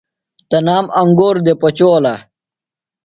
تنام انگور دےۡ پچولہ۔